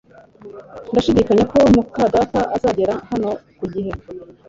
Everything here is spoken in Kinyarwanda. Ndashidikanya ko muka data azagera hano ku gihe